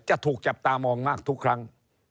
จะถูกจับตามองมากทุกครั้ง